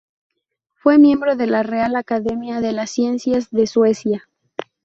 Fue miembro de la Real Academia de las Ciencias de Suecia.